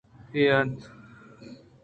اے ہانزءَ پدّردکن اَنت